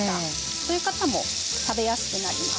そういう方も食べやすくなります。